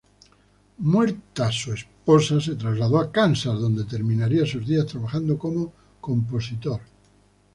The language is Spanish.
Muerta su esposa, se trasladó a Kansas, donde terminaría sus días trabajando como compositor.